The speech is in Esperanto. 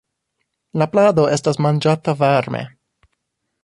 La plado estas manĝata varme.